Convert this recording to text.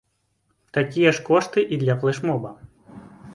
Такія ж кошты і для флэш-моба.